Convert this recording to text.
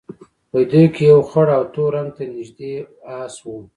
په دوی کې یو خړ او تور رنګ ته نژدې اس وو.